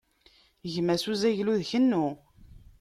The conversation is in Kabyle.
Gmas uzaglu d kennu.